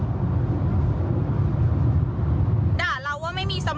กินให้ดูเลยค่ะว่ามันปลอดภัย